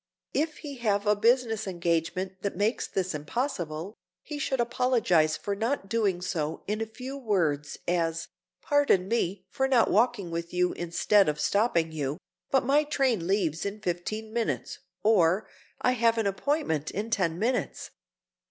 If he have a business engagement that makes this impossible, he should apologize for not doing so, in a few words, as—"Pardon me for not walking with you instead of stopping you, but my train leaves in fifteen minutes," or, "I have an appointment in ten minutes."